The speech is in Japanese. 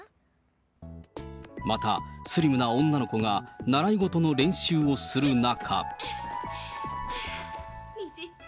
また、スリムな女の子が習い事の練習をする中。